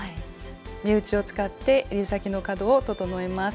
目打ちを使ってえり先の角を整えます。